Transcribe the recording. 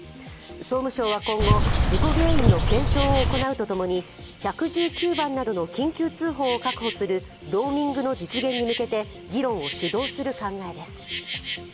総務省は今後、事故原因の検証を行うとともに１１９番通報などの緊急通報を確保するローミングの実現に向けて議論を主導する考えです。